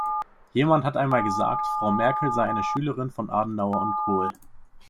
Jemand hat einmal gesagt, Frau Merkel sei eine Schülerin von Adenauer und Kohl.